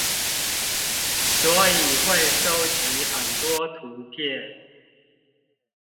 所以會蒐集很多圖片